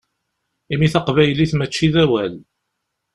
Imi taqbaylit mačči d awal.